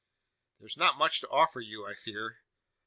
"There's not much to offer you, I fear.